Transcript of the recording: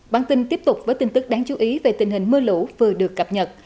bản tin tiếp tục với tin tức đáng chú ý về tình hình mưa lũ vừa được cập nhật